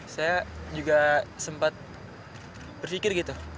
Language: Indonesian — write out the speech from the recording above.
saya juga sempat berpikir gitu